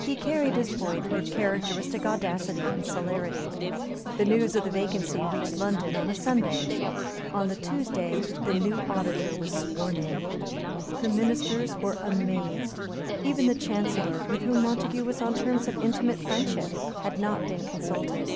He carried his point with characteristic audacity and celerity. The news of the vacancy reached London on a Sunday. On the Tuesday the new Auditor was sworn in. The ministers were amazed. Even the Chancellor, with whom Montague was on terms of intimate friendship, had not been consulted.